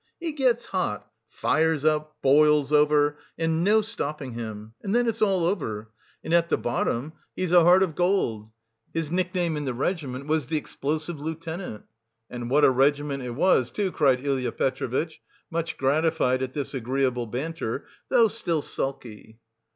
He gets hot, fires up, boils over, and no stopping him! And then it's all over! And at the bottom he's a heart of gold! His nickname in the regiment was the Explosive Lieutenant...." "And what a regiment it was, too," cried Ilya Petrovitch, much gratified at this agreeable banter, though still sulky.